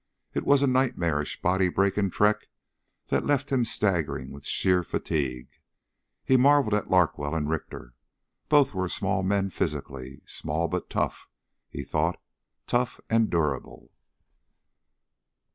It was a nightmarish, body breaking trek that left him staggering with sheer fatigue. He marveled at Larkwell and Richter. Both were small men physically. Small but tough, he thought. Tough and durable.